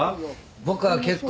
僕は結構。